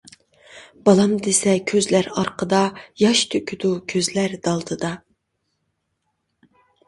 بالام دېسە كۆزلەر ئارقىدا، ياش تۆكىدۇ كۆزلەر دالدىدا.